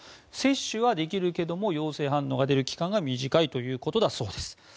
摂取はできるけども陽性反応が出る期間が短いということです。